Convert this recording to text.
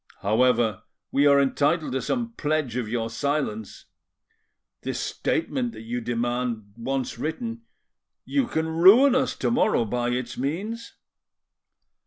However, we are entitle to some pledge of your silence. This statement that you demand, once written,—you can ruin us tomorrow by its means."